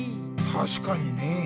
たしかにね！